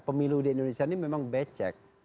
pemilu di indonesia ini memang becek